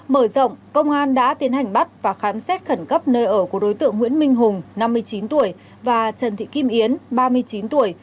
mở rộng công an đã tiến hành bắt và khám xét khẩn cấp nơi ở của đối tượng nguyễn minh hùng năm mươi chín tuổi và trần thị kim yến ba mươi chín tuổi